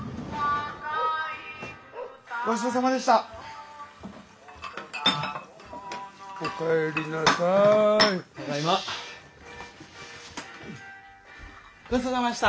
ごちそうさまでした。